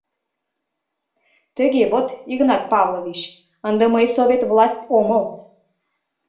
Тыге вот, Игнат Павлович, ынде мый совет власть омыл.